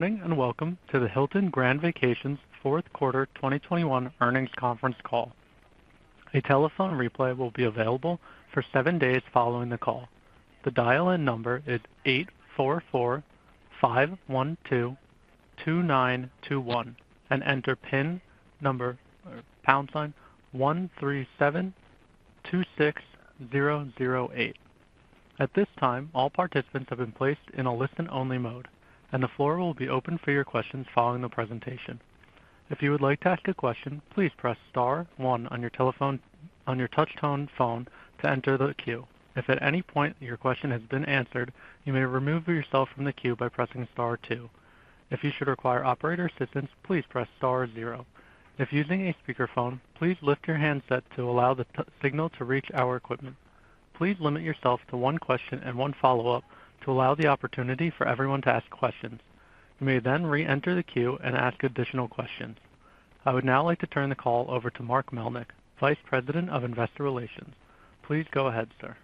Good morning, and welcome to the Hilton Grand Vacations fourth quarter 2021 earnings conference call. A telephone replay will be available for seven days following the call. The dial-in number is 844-512-2921 and enter PIN number or pound sign 13726008. At this time, all participants have been placed in a listen-only mode, and the floor will be open for your questions following the presentation. If you would like to ask a question, please press star one on your touch-tone phone to enter the queue. If at any point your question has been answered, you may remove yourself from the queue by pressing star two. If you should require operator assistance, please press star zero. If using a speakerphone, please lift your handset to allow the signal to reach our equipment. Please limit yourself to one question and one follow-up to allow the opportunity for everyone to ask questions. You may then reenter the queue and ask additional questions. I would now like to turn the call over to Mark Melnyk, Vice President of Investor Relations. Please go ahead, sir.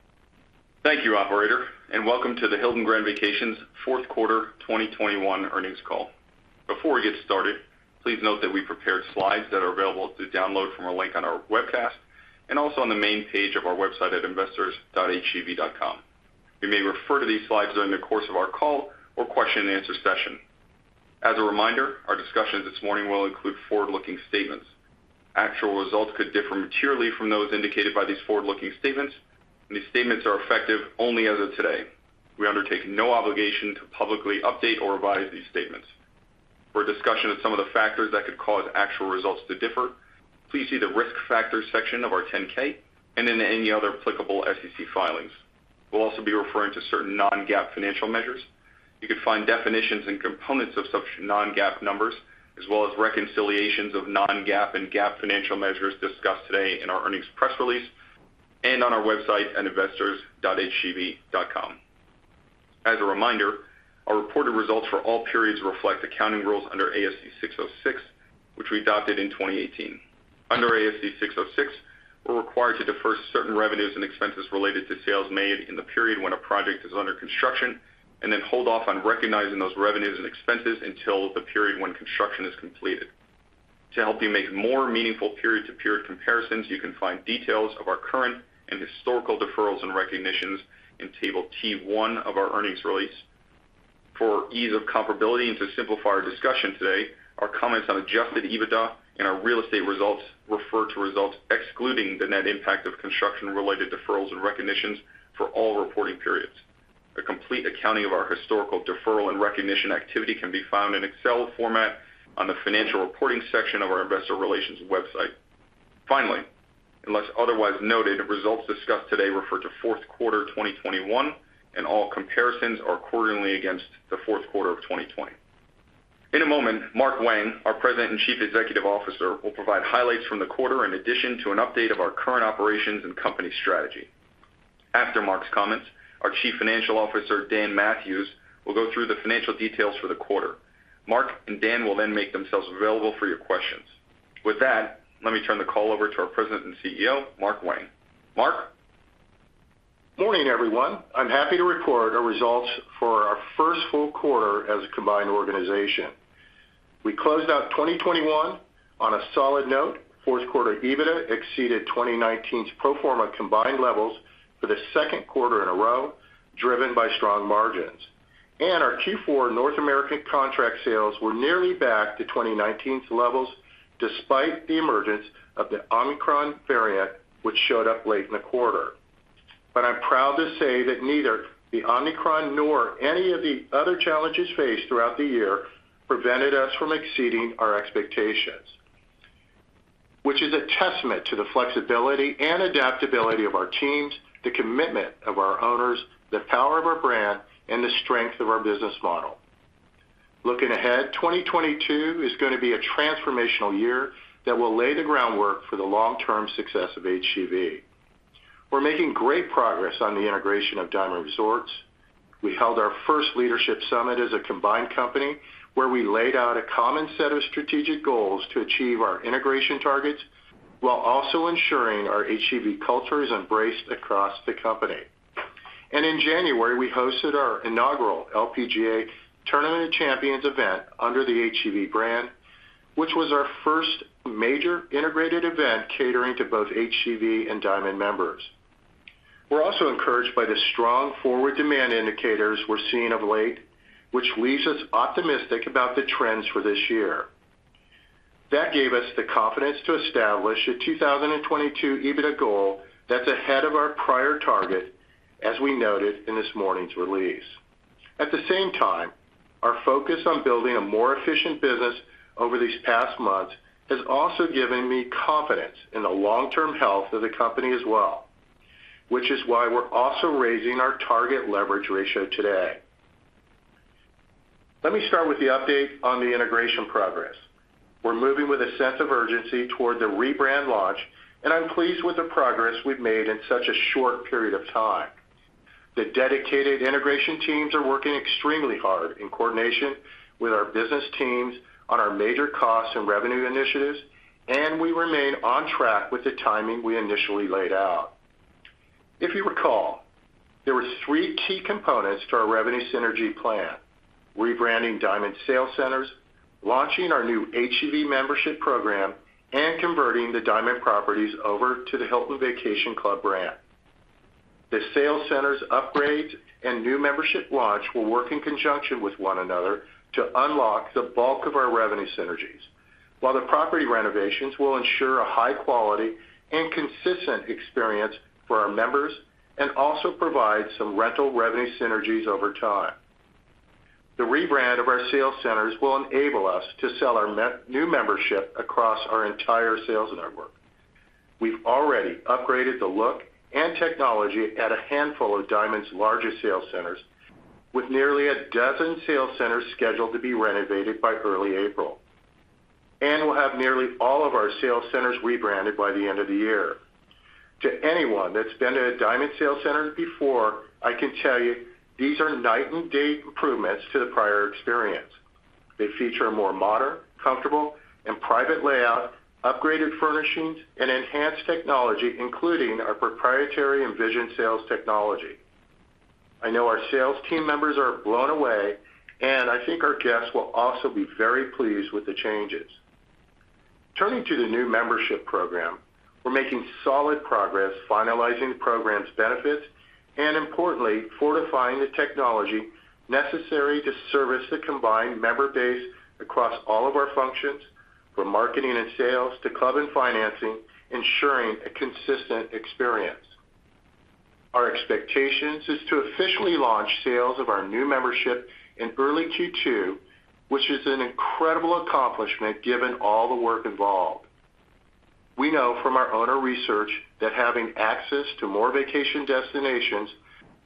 Thank you, operator, and welcome to the Hilton Grand Vacations fourth quarter 2021 earnings call. Before we get started, please note that we prepared slides that are available to download from a link on our webcast and also on the main page of our website at investors.hgv.com. You may refer to these slides during the course of our call or question and answer session. As a reminder, our discussion this morning will include forward-looking statements. Actual results could differ materially from those indicated by these forward-looking statements, and these statements are effective only as of today. We undertake no obligation to publicly update or revise these statements. For a discussion of some of the factors that could cause actual results to differ, please see the Risk Factors section of our 10-K and in any other applicable SEC filings. We'll also be referring to certain Non-GAAP financial measures. You can find definitions and components of such Non-GAAP numbers, as well as reconciliations of Non-GAAP and GAAP financial measures discussed today in our earnings press release and on our website at investors.hgv.com. As a reminder, our reported results for all periods reflect accounting rules under ASC 606, which we adopted in 2018. Under ASC 606, we're required to defer certain revenues and expenses related to sales made in the period when a project is under construction, and then hold off on recognizing those revenues and expenses until the period when construction is completed. To help you make more meaningful period-to-period comparisons, you can find details of our current and historical deferrals and recognitions in Table T1 of our earnings release. For ease of comparability and to simplify our discussion today, our comments on adjusted EBITDA and our real estate results refer to results excluding the net impact of construction-related deferrals and recognitions for all reporting periods. A complete accounting of our historical deferral and recognition activity can be found in Excel format on the financial reporting section of our investor relations website. Finally, unless otherwise noted, results discussed today refer to fourth quarter 2021, and all comparisons are quarterly against the fourth quarter of 2020. In a moment, Mark Wang, our President and Chief Executive Officer, will provide highlights from the quarter in addition to an update of our current operations and company strategy. After Mark's comments, our Chief Financial Officer, Dan Mathewes, will go through the financial details for the quarter. Mark and Dan will then make themselves available for your questions. With that, let me turn the call over to our President and Chief Executive Officer, Mark Wang. Mark. Morning, everyone. I'm happy to report our results for our first full quarter as a combined organization. We closed out 2021 on a solid note. Q4 EBITDA exceeded 2019's pro forma combined levels for the second quarter in a row, driven by strong margins. Our Q4 North American contract sales were nearly back to 2019's levels despite the emergence of the Omicron variant, which showed up late in the quarter. I'm proud to say that neither the Omicron nor any of the other challenges faced throughout the year prevented us from exceeding our expectations, which is a testament to the flexibility and adaptability of our teams, the commitment of our owners, the power of our brand, and the strength of our business model. Looking ahead, 2022 is gonna be a transformational year that will lay the groundwork for the long-term success of HGV. We're making great progress on the integration of Diamond Resorts. We held our first leadership summit as a combined company, where we laid out a common set of strategic goals to achieve our integration targets while also ensuring our HGV culture is embraced across the company. In January, we hosted our inaugural LPGA Tournament of Champions event under the HGV brand, which was our first major integrated event catering to both HGV and Diamond members. We're also encouraged by the strong forward demand indicators we're seeing of late, which leaves us optimistic about the trends for this year. That gave us the confidence to establish a 2022 EBITDA goal that's ahead of our prior target, as we noted in this morning's release. At the same time, our focus on building a more efficient business over these past months has also given me confidence in the long-term health of the company as well, which is why we're also raising our target leverage ratio today. Let me start with the update on the integration progress. We're moving with a sense of urgency toward the rebrand launch, and I'm pleased with the progress we've made in such a short period of time. The dedicated integration teams are working extremely hard in coordination with our business teams on our major costs and revenue initiatives, and we remain on track with the timing we initially laid out. If you recall, there were three key components to our revenue synergy plan: rebranding Diamond sales centers, launching our new HGV membership program, and converting the Diamond properties over to the Hilton Vacation Club brand. The sales centers upgrade and new membership launch will work in conjunction with one another to unlock the bulk of our revenue synergies. While the property renovations will ensure a high quality and consistent experience for our members and also provide some rental revenue synergies over time. The rebrand of our sales centers will enable us to sell our new membership across our entire sales network. We've already upgraded the look and technology at a handful of Diamond's largest sales centers with nearly a dozen sales centers scheduled to be renovated by early April, and we'll have nearly all of our sales centers rebranded by the end of the year. To anyone that's been to a Diamond sales center before, I can tell you these are night and day improvements to the prior experience. They feature a more modern, comfortable, and private layout, upgraded furnishings, and enhanced technology, including our proprietary Envision sales technology. I know our sales team members are blown away, and I think our guests will also be very pleased with the changes. Turning to the new membership program, we're making solid progress finalizing the program's benefits and importantly, fortifying the technology necessary to service the combined member base across all of our functions, from marketing and sales to club and financing, ensuring a consistent experience. Our expectations is to officially launch sales of our new membership in early Q2, which is an incredible accomplishment given all the work involved. We know from our owner research that having access to more vacation destinations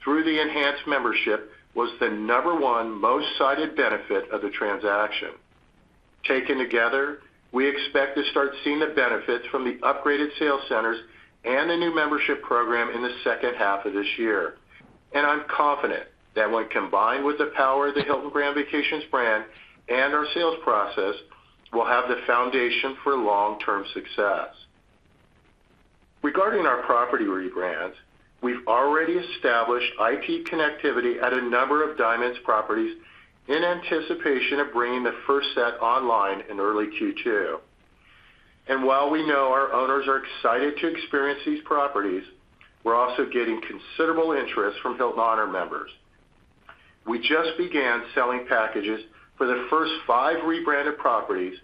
through the enhanced membership was the number one most cited benefit of the transaction. Taken together, we expect to start seeing the benefits from the upgraded sales centers and the new membership program in the second half of this year, and I'm confident that when combined with the power of the Hilton Grand Vacations brand and our sales process, we'll have the foundation for long-term success. Regarding our property rebrands, we've already established IT connectivity at a number of Diamond's properties in anticipation of bringing the first set online in early Q2. While we know our owners are excited to experience these properties, we're also getting considerable interest from Hilton Honors members. We just began selling packages for the first 5 rebranded properties,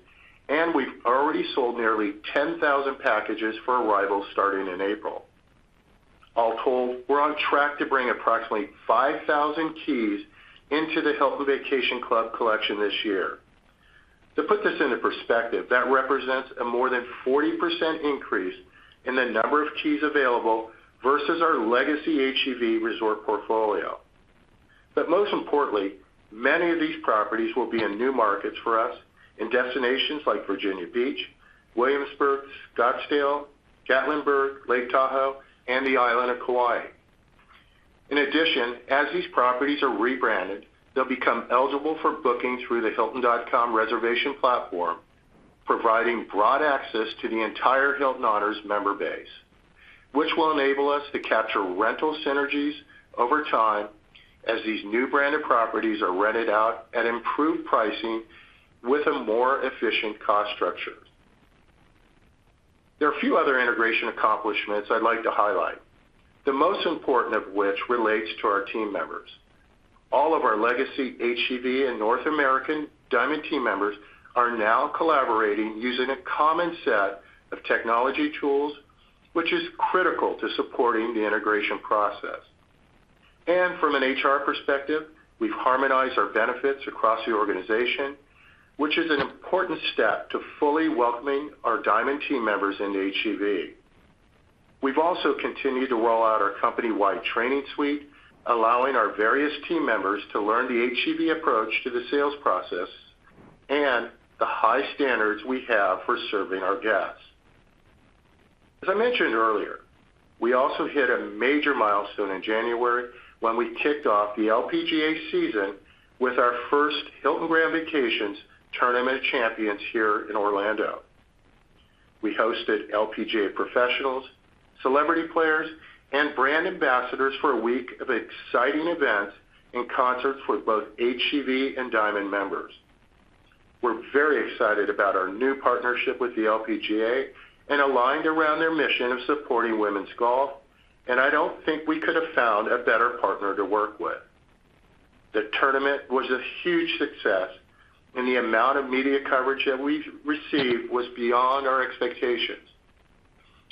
and we've already sold nearly 10,000 packages for arrivals starting in April. All told, we're on track to bring approximately 5,000 keys into the Hilton Vacation Club collection this year. To put this into perspective, that represents a more than 40% increase in the number of keys available versus our legacy HGV resort portfolio. Most importantly, many of these properties will be in new markets for us in destinations like Virginia Beach, Williamsburg, Scottsdale, Gatlinburg, Lake Tahoe, and the island of Kauai. In addition, as these properties are rebranded, they'll become eligible for booking through the hilton.com reservation platform, providing broad access to the entire Hilton Honors member base, which will enable us to capture rental synergies over time as these new branded properties are rented out at improved pricing with a more efficient cost structure. There are a few other integration accomplishments I'd like to highlight, the most important of which relates to our team members. All of our legacy HGV and North American Diamond team members are now collaborating using a common set of technology tools, which is critical to supporting the integration process. From an HR perspective, we've harmonized our benefits across the organization, which is an important step to fully welcoming our Diamond team members into HGV. We've also continued to roll out our company-wide training suite, allowing our various team members to learn the HGV approach to the sales process and the high standards we have for serving our guests. As I mentioned earlier, we also hit a major milestone in January when we kicked off the LPGA season with our first Hilton Grand Vacations Tournament of Champions here in Orlando. We hosted LPGA professionals, celebrity players, and brand ambassadors for a week of exciting events and concerts for both HGV and Diamond members. We're very excited about our new partnership with the LPGA and aligned around their mission of supporting women's golf, and I don't think we could have found a better partner to work with. The tournament was a huge success, and the amount of media coverage that we received was beyond our expectations.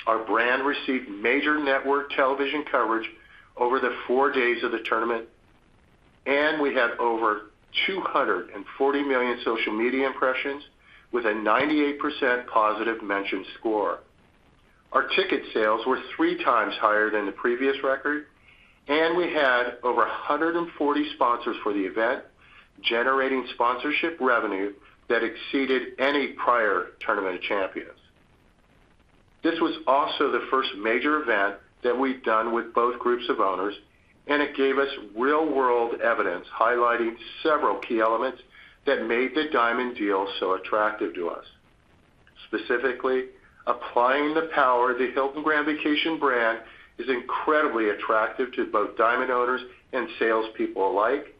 Our brand received major network television coverage over the four days of the tournament, and we had over 240 million social media impressions with a 98% positive mention score. Our ticket sales were 3x higher than the previous record, and we had over 140 sponsors for the event, generating sponsorship revenue that exceeded any prior Tournament of Champions. This was also the first major event that we've done with both groups of owners, and it gave us real-world evidence highlighting several key elements that made the Diamond deal so attractive to us. Specifically, applying the power of the Hilton Grand Vacations brand is incredibly attractive to both Diamond owners and salespeople alike.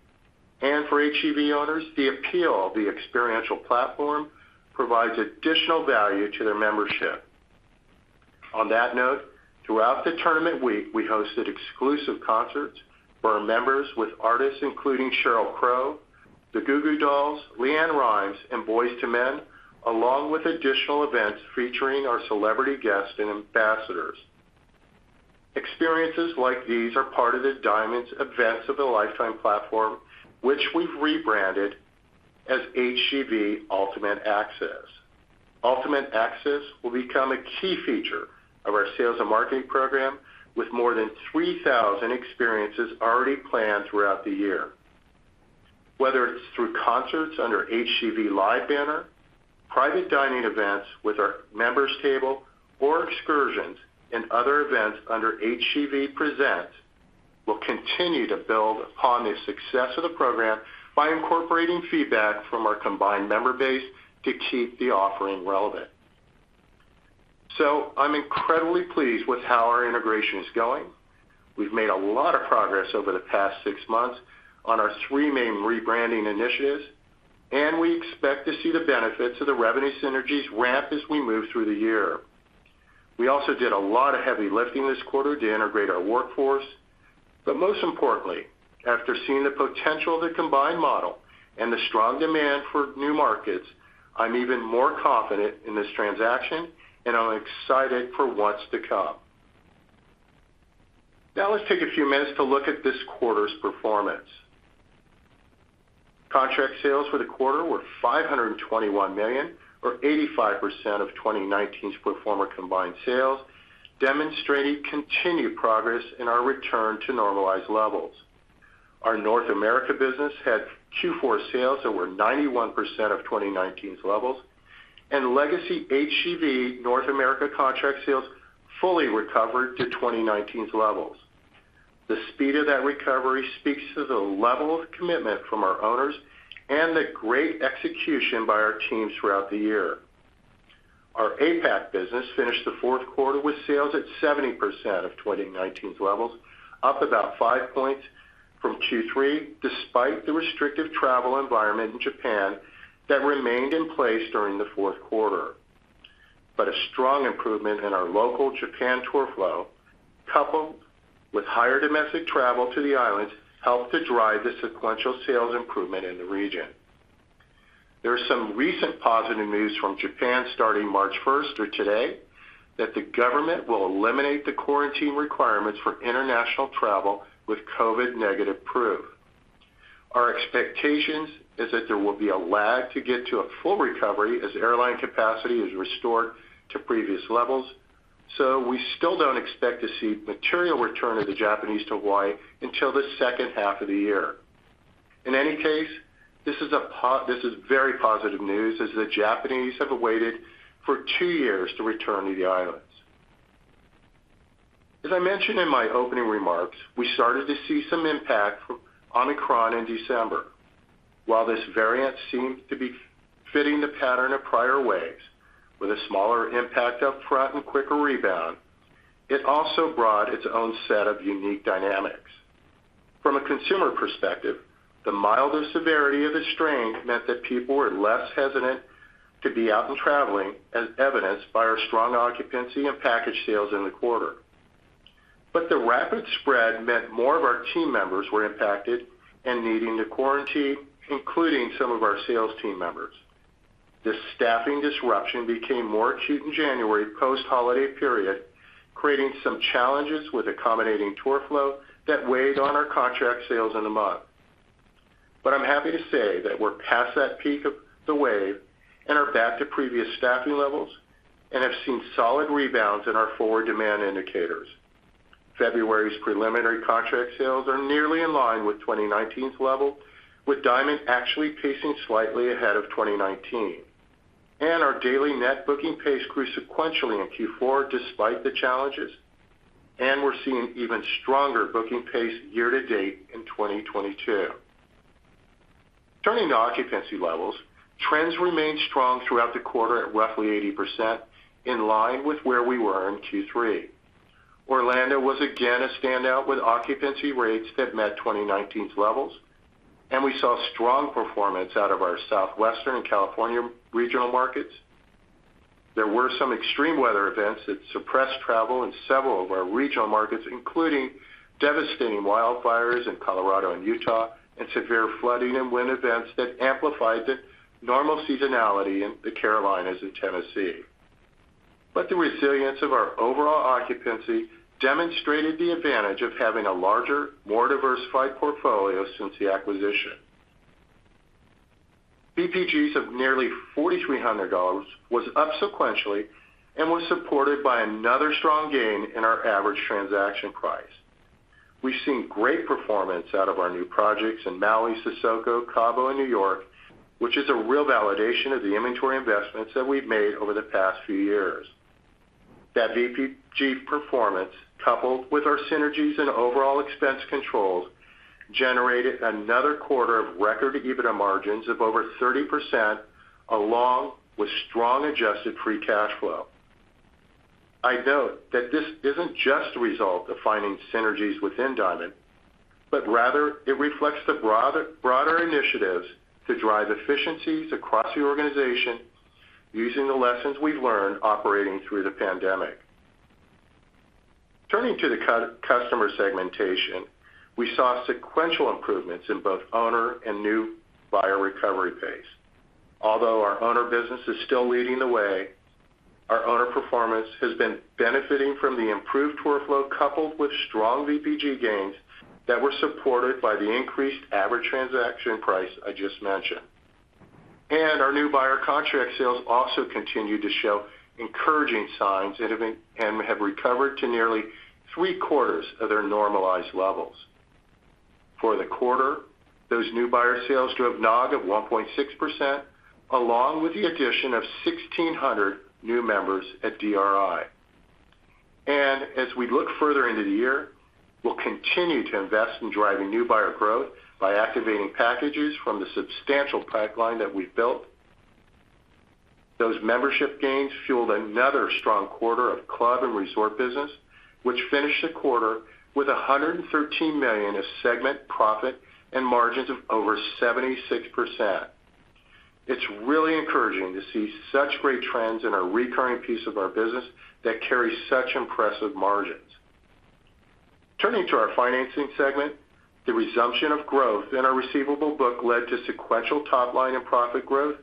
For HGV owners, the appeal of the experiential platform provides additional value to their membership. On that note, throughout the tournament week, we hosted exclusive concerts for our members with artists including Sheryl Crow, the Goo Goo Dolls, LeAnn Rimes, and Boyz II Men, along with additional events featuring our celebrity guests and ambassadors. Experiences like these are part of the Diamond's Events of a Lifetime platform, which we've rebranded as HGV Ultimate Access. Ultimate Access will become a key feature of our sales and marketing program with more than 3,000 experiences already planned throughout the year. Whether it's through concerts under HGV Live banner, private dining events with our HGV Members Table or excursions and other events under HGV Presents, we'll continue to build upon the success of the program by incorporating feedback from our combined member base to keep the offering relevant. I'm incredibly pleased with how our integration is going. We've made a lot of progress over the past six months on our three main rebranding initiatives, and we expect to see the benefits of the revenue synergies ramp as we move through the year. We also did a lot of heavy lifting this quarter to integrate our workforce. Most importantly, after seeing the potential of the combined model and the strong demand for new markets, I'm even more confident in this transaction, and I'm excited for what's to come. Now let's take a few minutes to look at this quarter's performance. Contract sales for the quarter were $521 million or 85% of 2019's pro forma combined sales, demonstrating continued progress in our return to normalized levels. Our North America business had Q4 sales that were 91% of 2019's levels, and legacy HGV North America contract sales fully recovered to 2019's levels. The speed of that recovery speaks to the level of commitment from our owners and the great execution by our teams throughout the year. Our APAC business finished the fourth quarter with sales at 70% of 2019's levels, up about 5 points from Q3 despite the restrictive travel environment in Japan that remained in place during the fourth quarter. A strong improvement in our local Japan tour flow, coupled with higher domestic travel to the islands, helped to drive the sequential sales improvement in the region. There is some recent positive news from Japan starting March 1st or today that the government will eliminate the quarantine requirements for international travel with COVID negative proof. Our expectations is that there will be a lag to get to a full recovery as airline capacity is restored to previous levels, so we still don't expect to see material return of the Japanese to Hawaii until the second half of the year. In any case, this is very positive news as the Japanese have awaited for two years to return to the islands. As I mentioned in my opening remarks, we started to see some impact from Omicron in December. While this variant seemed to be fitting the pattern of prior waves with a smaller impact up front and quicker rebound, it also brought its own set of unique dynamics. From a consumer perspective, the milder severity of the strain meant that people were less hesitant to be out and traveling, as evidenced by our strong occupancy and package sales in the quarter. The rapid spread meant more of our team members were impacted and needing to quarantine, including some of our sales team members. This staffing disruption became more acute in January post-holiday period, creating some challenges with accommodating tour flow that weighed on our contract sales in the month. I'm happy to say that we're past that peak of the wave and are back to previous staffing levels and have seen solid rebounds in our forward demand indicators. February's preliminary contract sales are nearly in line with 2019's level, with Diamond actually pacing slightly ahead of 2019. Our daily net booking pace grew sequentially in Q4 despite the challenges, and we're seeing even stronger booking pace year to date in 2022. Turning to occupancy levels, trends remained strong throughout the quarter at roughly 80% in line with where we were in Q3. Orlando was again a standout with occupancy rates that met 2019's levels, and we saw strong performance out of our Southwestern and California regional markets. There were some extreme weather events that suppressed travel in several of our regional markets, including devastating wildfires in Colorado and Utah and severe flooding and wind events that amplified the normal seasonality in the Carolinas and Tennessee. The resilience of our overall occupancy demonstrated the advantage of having a larger, more diversified portfolio since the acquisition. VPGs of nearly $4,300 was up sequentially and was supported by another strong gain in our average transaction price. We've seen great performance out of our new projects in Maui, Sesoko, Cabo, and New York, which is a real validation of the inventory investments that we've made over the past few years. That VPG performance, coupled with our synergies and overall expense controls, generated another quarter of record EBITDA margins of over 30% along with strong adjusted free cash flow. I note that this isn't just a result of finding synergies within Diamond, but rather it reflects the broader initiatives to drive efficiencies across the organization using the lessons we've learned operating through the pandemic. Turning to the customer segmentation, we saw sequential improvements in both owner and new buyer recovery pace. Although our owner business is still leading the way, our owner performance has been benefiting from the improved tour flow coupled with strong VPG gains that were supported by the increased average transaction price I just mentioned. Our new buyer contract sales also continue to show encouraging signs and have recovered to nearly three-quarters of their normalized levels. For the quarter, those new buyer sales drove NOG of 1.6% along with the addition of 1,600 new members at DRI. As we look further into the year, we'll continue to invest in driving new buyer growth by activating packages from the substantial pipeline that we've built. Those membership gains fueled another strong quarter of club and resort business, which finished the quarter with $113 million of segment profit and margins of over 76%. It's really encouraging to see such great trends in our recurring piece of our business that carry such impressive margins. Turning to our financing segment, the resumption of growth in our receivable book led to sequential top line and profit growth,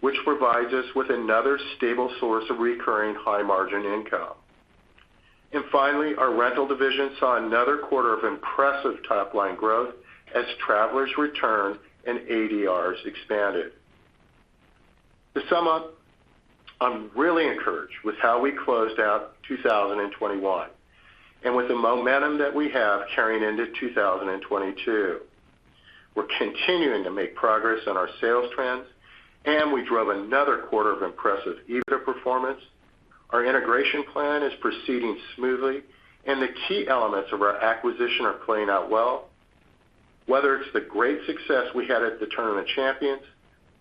which provides us with another stable source of recurring high margin income. Finally, our rental division saw another quarter of impressive top line growth as travelers returned and ADRs expanded. To sum up, I'm really encouraged with how we closed out 2021 and with the momentum that we have carrying into 2022. We're continuing to make progress on our sales trends, and we drove another quarter of impressive EBITDA performance. Our integration plan is proceeding smoothly, and the key elements of our acquisition are playing out well. Whether it's the great success we had at the Tournament of Champions,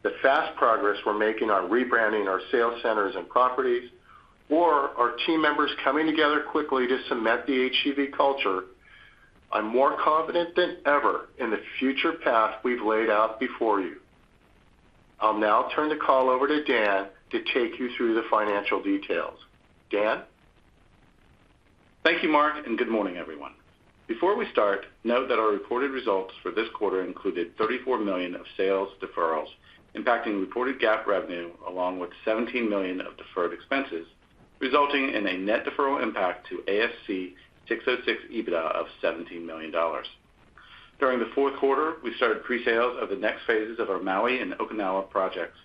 the fast progress we're making on rebranding our sales centers and properties, or our team members coming together quickly to cement the HGV culture, I'm more confident than ever in the future path we've laid out before you. I'll now turn the call over to Dan to take you through the financial details. Dan? Thank you, Mark, and good morning, everyone. Before we start, note that our reported results for this quarter included $34 million of sales deferrals impacting reported GAAP revenue along with 17 million of deferred expenses, resulting in a net deferral impact to ASC 606 EBITDA of $17 million. During the fourth quarter, we started presales of the next phases of our Maui and Okinawa projects,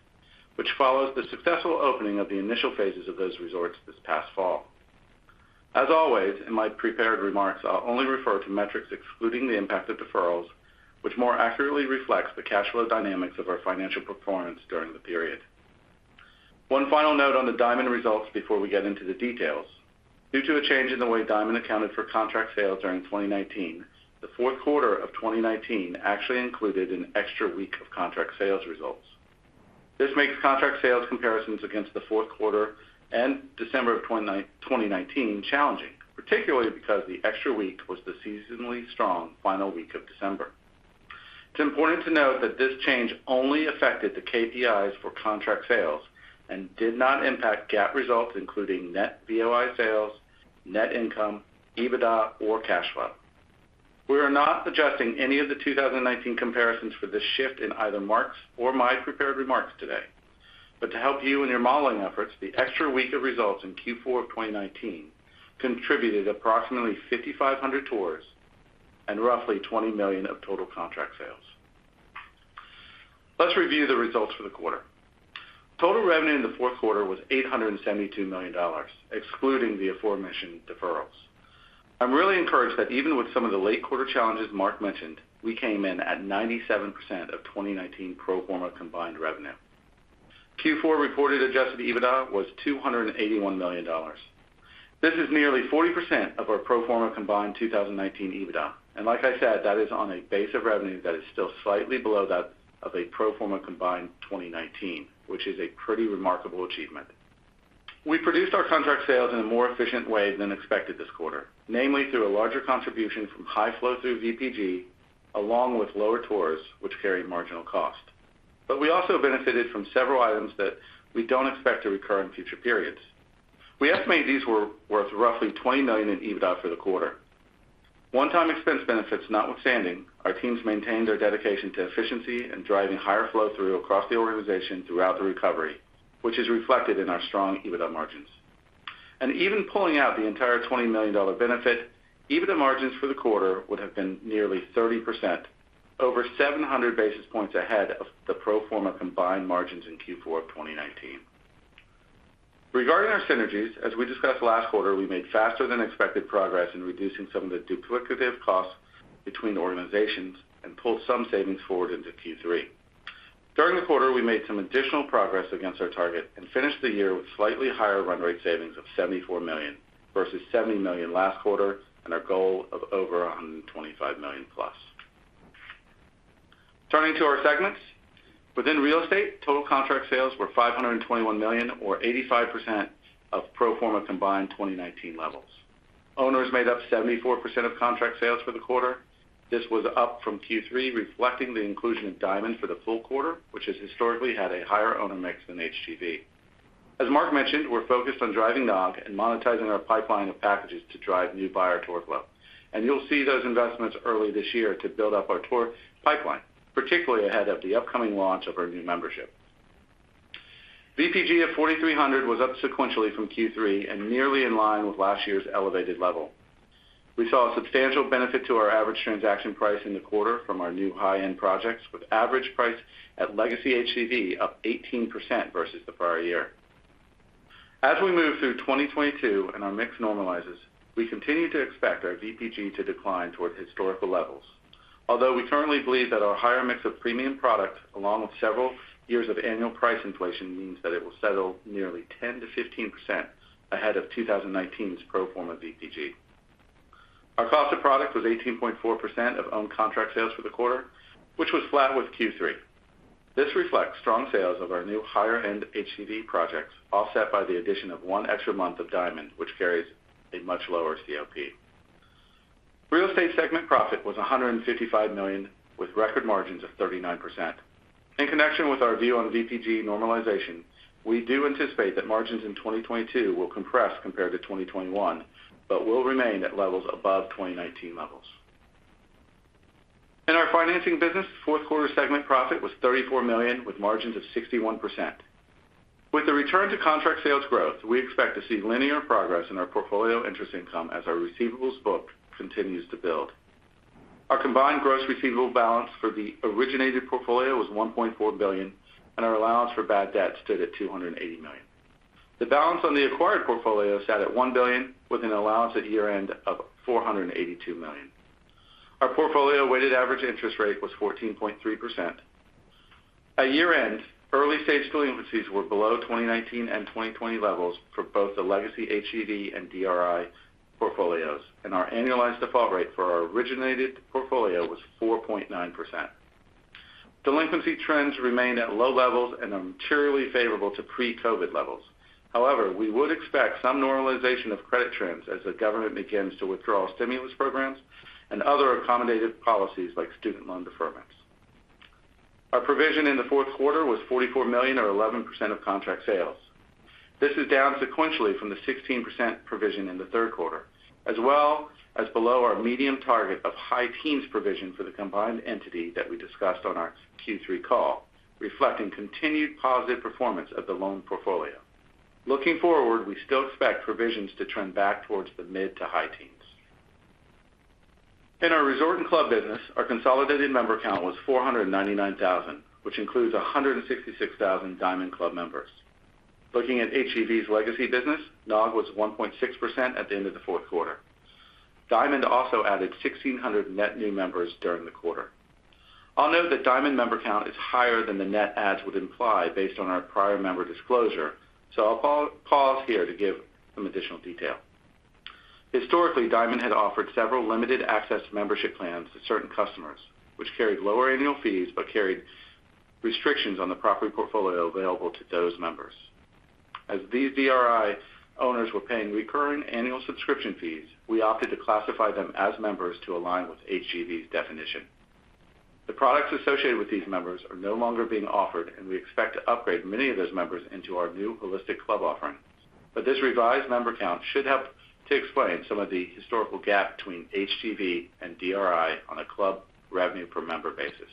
which follows the successful opening of the initial phases of those resorts this past fall. As always, in my prepared remarks, I'll only refer to metrics excluding the impact of deferrals, which more accurately reflects the cash flow dynamics of our financial performance during the period. One final note on the Diamond results before we get into the details. Due to a change in the way Diamond accounted for contract sales during 2019, the fourth quarter of 2019 actually included an extra week of contract sales results. This makes contract sales comparisons against the fourth quarter and December of 2019 challenging, particularly because the extra week was the seasonally strong final week of December. It's important to note that this change only affected the KPIs for contract sales and did not impact GAAP results including net VOI sales, net income, EBITDA or cash flow. We are not adjusting any of the 2019 comparisons for this shift in either Mark's or my prepared remarks today. To help you in your modeling efforts, the extra week of results in Q4 of 2019 contributed approximately 5,500 tours and roughly $20 million of total contract sales. Let's review the results for the quarter. Total revenue in the fourth quarter was $872 million, excluding the aforementioned deferrals. I'm really encouraged that even with some of the late quarter challenges Mark mentioned, we came in at 97% of 2019 pro forma combined revenue. Q4 reported adjusted EBITDA was $281 million. This is nearly 40% of our pro forma combined 2019 EBITDA. Like I said, that is on a base of revenue that is still slightly below that of a pro forma combined 2019, which is a pretty remarkable achievement. We produced our contract sales in a more efficient way than expected this quarter, namely through a larger contribution from high flow through VPG along with lower tours which carry marginal cost. We also benefited from several items that we don't expect to recur in future periods. We estimate these were worth roughly $20 million in EBITDA for the quarter. One-time expense benefits notwithstanding, our teams maintained their dedication to efficiency and driving higher flow through across the organization throughout the recovery, which is reflected in our strong EBITDA margins. Even pulling out the entire $20 million benefit, EBITDA margins for the quarter would have been nearly 30% over 700 basis points ahead of the pro forma combined margins in Q4 of 2019. Regarding our synergies, as we discussed last quarter, we made faster than expected progress in reducing some of the duplicative costs between organizations and pulled some savings forward into Q3. During the quarter, we made some additional progress against our target and finished the year with slightly higher run rate savings of $74 million versus $70 million last quarter and our goal of over $125 million+. Turning to our segments, within real estate, total contract sales were $521 million or 85% of pro forma combined 2019 levels. Owners made up 74% of contract sales for the quarter. This was up from Q3, reflecting the inclusion of Diamond for the full quarter, which has historically had a higher owner mix than HGV. As Mark mentioned, we're focused on driving NOG and monetizing our pipeline of packages to drive new buyer tour flow, and you'll see those investments early this year to build up our tour pipeline, particularly ahead of the upcoming launch of our new membership. VPG of 4,300 was up sequentially from Q3 and nearly in line with last year's elevated level. We saw a substantial benefit to our average transaction price in the quarter from our new high-end projects, with average price at Legacy HGV up 18% versus the prior year. As we move through 2022 and our mix normalizes, we continue to expect our VPG to decline towards historical levels. Although we currently believe that our higher mix of premium product, along with several years of annual price inflation, means that it will settle nearly 10%-15% ahead of 2019's pro forma VPG. Our cost of product was 18.4% of owned contract sales for the quarter, which was flat with Q3. This reflects strong sales of our new higher-end HGV projects, offset by the addition of one extra month of Diamond, which carries a much lower COP. Real estate segment profit was $155 million, with record margins of 39%. In connection with our view on VPG normalization, we do anticipate that margins in 2022 will compress compared to 2021, but will remain at levels above 2019 levels. In our financing business, fourth quarter segment profit was $34 million, with margins of 61%. With the return to contract sales growth, we expect to see linear progress in our portfolio interest income as our receivables book continues to build. Our combined gross receivable balance for the originated portfolio was $1.4 billion, and our allowance for bad debts stood at $280 million. The balance on the acquired portfolio sat at $1 billion, with an allowance at year-end of $482 million. Our portfolio weighted average interest rate was 14.3%. At year-end, early stage delinquencies were below 2019 and 2020 levels for both the legacy HGV and DRI portfolios, and our annualized default rate for our originated portfolio was 4.9%. Delinquency trends remained at low levels and are materially favorable to pre-COVID levels. However, we would expect some normalization of credit trends as the government begins to withdraw stimulus programs and other accommodative policies like student loan deferments. Our provision in the fourth quarter was $44 million, or 11% of contract sales. This is down sequentially from the 16% provision in the third quarter, as well as below our mid-teens target of high-teens provision for the combined entity that we discussed on our Q3 call, reflecting continued positive performance of the loan portfolio. Looking forward, we still expect provisions to trend back towards the mid- to high-teens. In our resort and club business, our consolidated member count was 499,000 members, which includes 166,000 Diamond Club members. Looking at HGV's legacy business, NOG was 1.6% at the end of the fourth quarter. Diamond also added 1,600 net new members during the quarter. I'll note that Diamond member count is higher than the net adds would imply based on our prior member disclosure, so I'll pause here to give some additional detail. Historically, Diamond had offered several limited access membership plans to certain customers, which carried lower annual fees but carried restrictions on the property portfolio available to those members. As these DRI owners were paying recurring annual subscription fees, we opted to classify them as members to align with HGV's definition. The products associated with these members are no longer being offered, and we expect to upgrade many of those members into our new holistic club offering. This revised member count should help to explain some of the historical gap between HGV and DRI on a club revenue per member basis.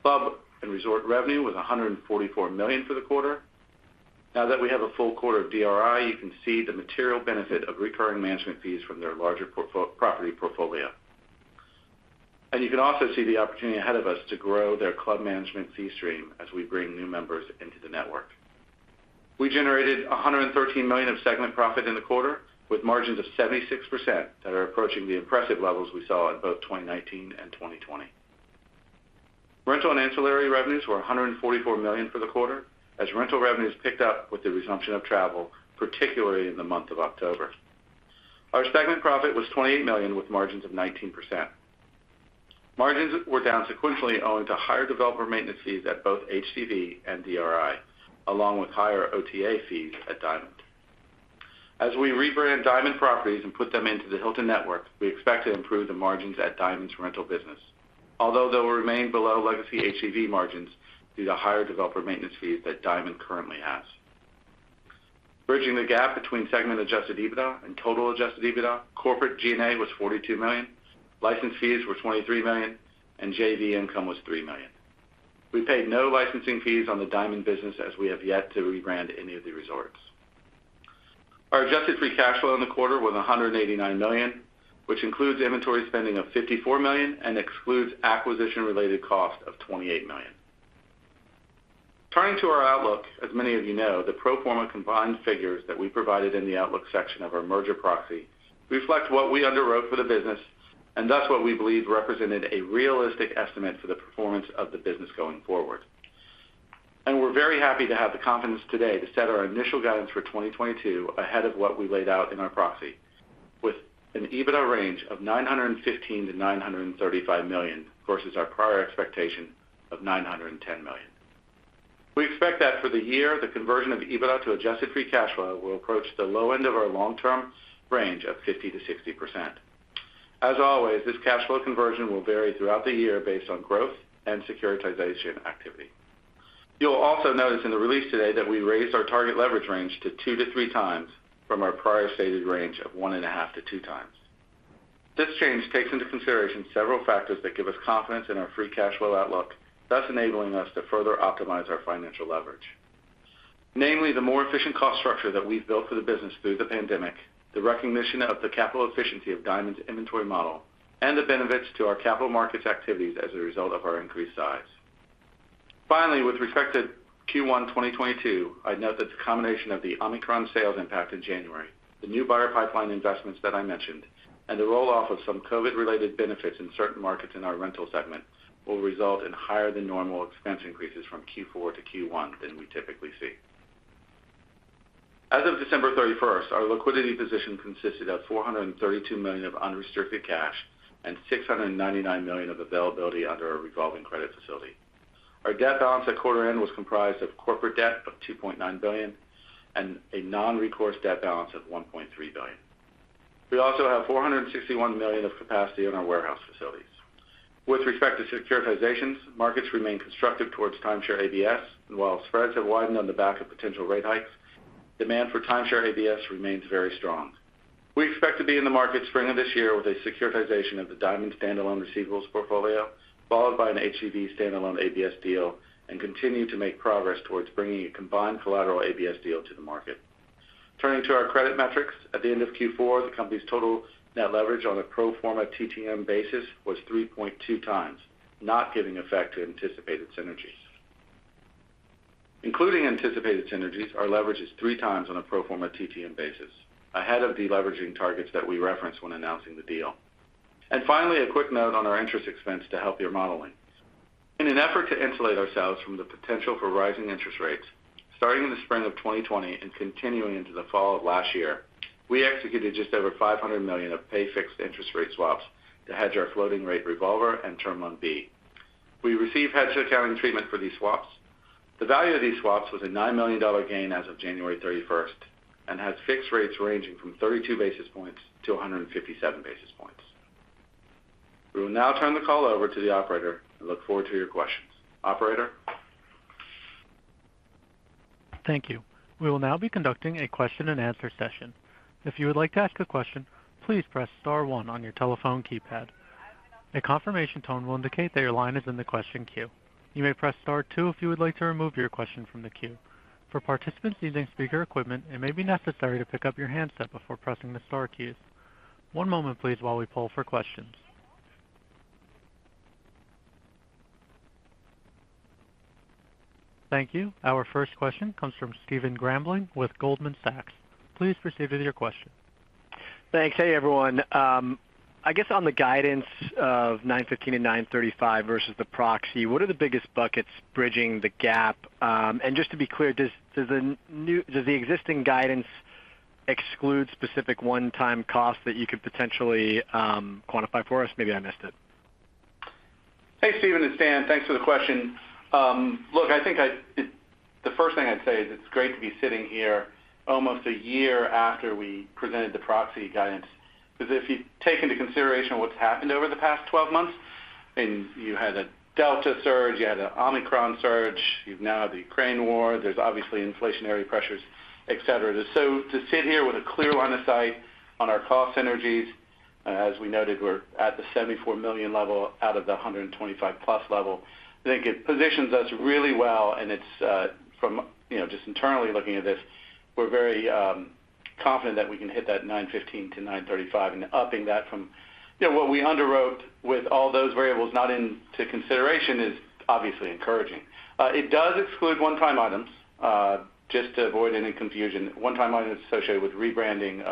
Club and resort revenue was $144 million for the quarter. Now that we have a full quarter of DRI, you can see the material benefit of recurring management fees from their larger property portfolio. You can also see the opportunity ahead of us to grow their club management fee stream as we bring new members into the network. We generated $113 million of segment profit in the quarter, with margins of 76% that are approaching the impressive levels we saw in both 2019 and 2020. Rental and ancillary revenues were $144 million for the quarter, as rental revenues picked up with the resumption of travel, particularly in the month of October. Our segment profit was $28 million, with margins of 19%. Margins were down sequentially owing to higher developer maintenance fees at both HGV and DRI, along with higher OTA fees at Diamond. As we rebrand Diamond properties and put them into the Hilton network, we expect to improve the margins at Diamond's rental business, although they will remain below legacy HGV margins due to higher developer maintenance fees that Diamond currently has. Bridging the gap between segment adjusted EBITDA and total adjusted EBITDA, corporate G&A was $42 million, license fees were $23 million, and JV income was $3 million. We paid no licensing fees on the Diamond business as we have yet to rebrand any of the resorts. Our adjusted free cash flow in the quarter was $189 million, which includes inventory spending of $54 million and excludes acquisition related cost of $28 million. Turning to our outlook, as many of you know, the pro forma combined figures that we provided in the outlook section of our merger proxy reflect what we underwrote for the business, and thus what we believe represented a realistic estimate for the performance of the business going forward. We're very happy to have the confidence today to set our initial guidance for 2022 ahead of what we laid out in our proxy, with an EBITDA range of $915 million-$935 million versus our prior expectation of $910 million. We expect that for the year, the conversion of EBITDA to adjusted free cash flow will approach the low end of our long-term range of 50%-60%. As always, this cash flow conversion will vary throughout the year based on growth and securitization activity. You'll also notice in the release today that we raised our target leverage range to 2x-3x from our prior stated range of 1.5x-2x. This change takes into consideration several factors that give us confidence in our free cash flow outlook, thus enabling us to further optimize our financial leverage. Namely, the more efficient cost structure that we've built for the business through the pandemic, the recognition of the capital efficiency of Diamond's inventory model, and the benefits to our capital markets activities as a result of our increased size. Finally, with respect to Q1 2022, I'd note that the combination of the Omicron sales impact in January, the new buyer pipeline investments that I mentioned, and the roll-off of some COVID-related benefits in certain markets in our rental segment will result in higher than normal expense increases from Q4-Q1 than we typically see. As of December 31st, our liquidity position consisted of $432 million of unrestricted cash and $699 million of availability under our revolving credit facility. Our debt balance at quarter end was comprised of corporate debt of $2.9 billion and a non-recourse debt balance of $1.3 billion. We also have $461 million of capacity in our warehouse facilities. With respect to securitizations, markets remain constructive towards timeshare ABS, and while spreads have widened on the back of potential rate hikes, demand for timeshare ABS remains very strong. We expect to be in the market spring of this year with a securitization of the Diamond standalone receivables portfolio, followed by an HGV standalone ABS deal, and continue to make progress towards bringing a combined collateral ABS deal to the market. Turning to our credit metrics, at the end of Q4, the company's total net leverage on a pro forma TTM basis was 3.2x, not giving effect to anticipated synergies. Including anticipated synergies, our leverage is 3x on a pro forma TTM basis, ahead of deleveraging targets that we referenced when announcing the deal. Finally, a quick note on our interest expense to help your modeling. In an effort to insulate ourselves from the potential for rising interest rates, starting in the spring of 2020 and continuing into the fall of last year, we executed just over $500 million of pay fixed interest rate swaps to hedge our floating rate revolver and Term Loan B. We receive hedge accounting treatment for these swaps. The value of these swaps was a $9 million gain as of January 31st and has fixed rates ranging from 32 basis points-157 basis points. We will now turn the call over to the operator and look forward to your questions. Operator? Thank you. We will now be conducting a question-and-answer session. If you would like to ask a question, please press star one on your telephone keypad. A confirmation tone will indicate that your line is in the question queue. You may press star two if you would like to remove your question from the queue. For participants using speaker equipment, it may be necessary to pick up your handset before pressing the star keys. One moment, please, while we poll for questions. Thank you. Our first question comes from Stephen Grambling with Goldman Sachs. Please proceed with your question. Thanks. Hey, everyone. I guess on the guidance of $915 million and $935 million versus the proxy, what are the biggest buckets bridging the gap? Just to be clear, does the existing guidance exclude specific one-time costs that you could potentially quantify for us? maybe I missed it. Hey, Stephen, it's Dan. Thanks for the question. Look, I think the first thing I'd say is it's great to be sitting here almost a year after we presented the proxy guidance. If you take into consideration what's happened over the past 12 months, and you had a Delta surge, you had an Omicron surge, you now have the Ukraine war, there's obviously inflationary pressures, et cetera. To sit here with a clear line of sight on our cost synergies, as we noted, we're at the $74 million level out of the $125 million+ level. I think it positions us really well, and it's from you know just internally looking at this, we're very confident that we can hit that $915 million-$935 million and upping that from you know what we underwrote with all those variables not taken into consideration is obviously encouraging. It does exclude one-time items just to avoid any confusion, one-time items associated with rebranding,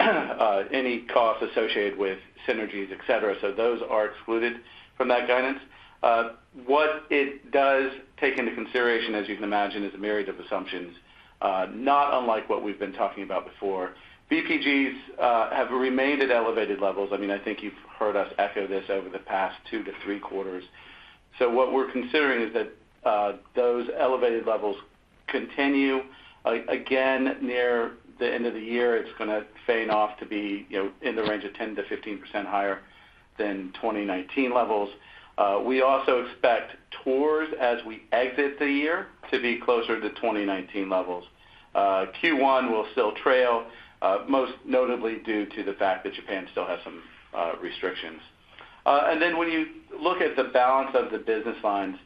any costs associated with synergies, et cetera. Those are excluded from that guidance. What it does take into consideration, as you can imagine, is a myriad of assumptions, not unlike what we've been talking about before. VPGs have remained at elevated levels. I mean, I think you've heard us echo this over the past two quarters to three quarters. What we're considering is that those elevated levels continue. Again, near the end of the year, it's gonna fade off to be, you know, in the range of 10%-15% higher than 2019 levels. We also expect tours as we exit the year to be closer to 2019 levels. Q1 will still trail, most notably due to the fact that Japan still has some restrictions. When you look at the balance of the business lines,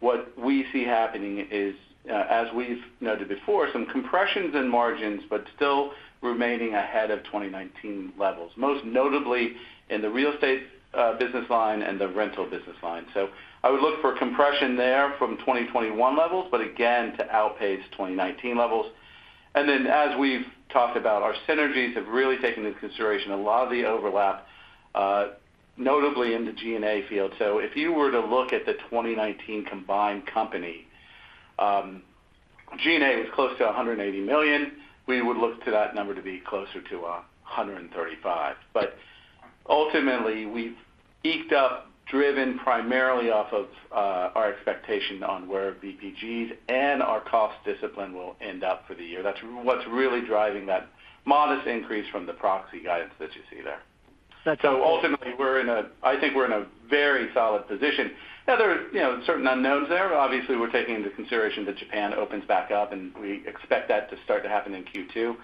what we see happening is, as we've noted before, some compressions in margins, but still remaining ahead of 2019 levels, most notably in the real estate business line and the rental business line. I would look for compression there from 2021 levels, but again, to outpace 2019 levels. As we've talked about, our synergies have really taken into consideration a lot of the overlap, notably in the G&A field. If you were to look at the 2019 combined company, G&A was close to $180 million. We would look to that number to be closer to $135 million. Ultimately, we've edged up, driven primarily off of our expectation on where VPGs and our cost discipline will end up for the year. That's what's really driving that modest increase from the proxy guidance that you see there. That's how- Ultimately, I think we're in a very solid position. Now, there are, you know, certain unknowns there. Obviously, we're taking into consideration that Japan opens back up, and we expect that to start to happen in Q2.